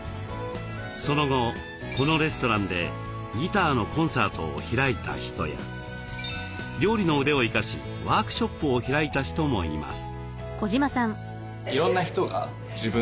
その後このレストランでギターのコンサートを開いた人や料理の腕を生かしワークショップを開いた人もいます。